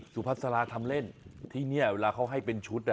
สุพัสราทำเล่นที่นี่เวลาเขาให้เป็นชุด